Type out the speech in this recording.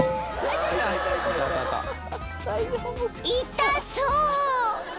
［痛そう！］